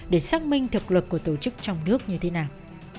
để xác minh thực luật của tổ chức trong nước như thế nào